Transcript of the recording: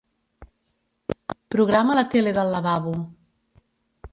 Programa la tele del lavabo.